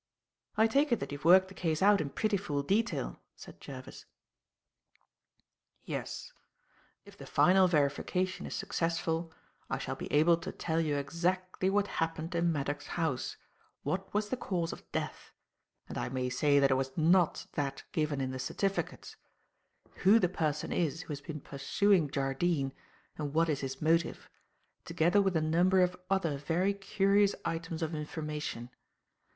"I take it that you have worked the case out in pretty full detail," said Jervis. "Yes. If the final verification is successful I shall be able to tell you exactly what happened in Maddock's house, what was the cause of death and I may say that it was not that given in the certificates who the person is who has been pursuing Jardine and what is his motive, together with a number of other very curious items of information.